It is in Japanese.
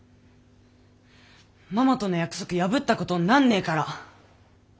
ママとの約束破ったことになんねえから！